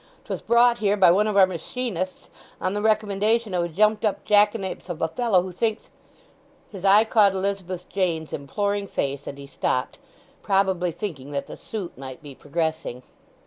'Twas brought here by one of our machinists on the recommendation of a jumped up jackanapes of a fellow who thinks——" His eye caught Elizabeth Jane's imploring face, and he stopped, probably thinking that the suit might be progressing.